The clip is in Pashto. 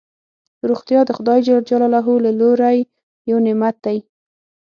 روغتیا دخدای ج له لوری یو نعمت دی